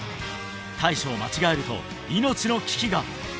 対処を間違えると命の危機が！